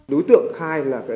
đối tượng khai gian dối